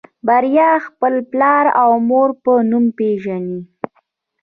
بريا خپل پلار او مور په نوم پېژني.